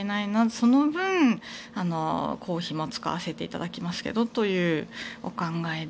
その分、公費も使わせていただきますけどというお考えで。